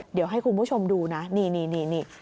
เดี๋ยวให้คุณผู้ชมดูนะนี่